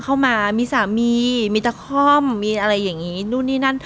เข้ามามีสามีมีตะค่อมมีอะไรอย่างนี้นู่นนี่นั่น